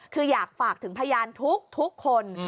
คืออยากฝากถึงพยานทุกคน